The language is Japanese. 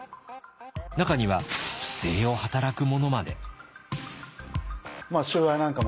中には不正を働く者まで。